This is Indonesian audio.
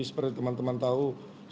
saya ingin membuatnya lebih kuat